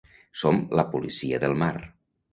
Som la policia del mar